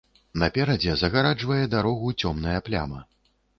Наперадзе загараджвае дарогу цёмная пляма.